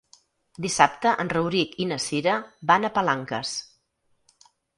Dissabte en Rauric i na Cira van a Palanques.